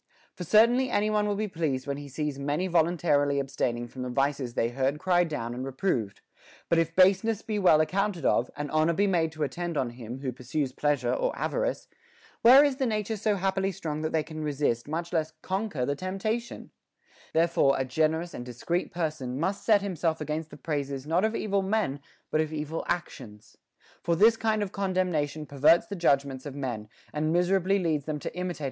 For certainly any one will be pleased when he sees many voluntarily abstaining from the vices they heard cried down and reproved ; but if base ness be well accounted of, and honor be made to attend on him who pursues pleasure or avarice, where is the nature so happily strong that can resist, much less conquer, the temptation 1 Therefore a generous and discreet person must set himself against the praises, not of evil men, but of evil actions ; for this kind of commendation perverts the judgments of men, and miserably leads them to imitate * Odyss. XII. 209. WITHOUT BEING ENVIED.